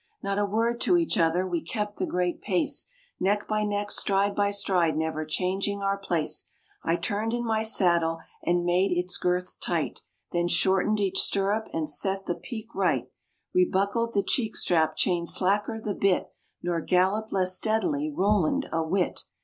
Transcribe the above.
Not a word to each other; we kept the great pace Neck by neck, stride by stride, never changing our place; I turned in my saddle and made its girths tight, Then shortened each stirrup, and set the pique right, Rebuckled the cheek strap, chained slacker the bit, Nor galloped less steadily Roland a whit.